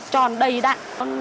tròn đầy đặn